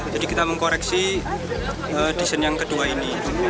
jadi kita mengkoreksi desain yang kedua ini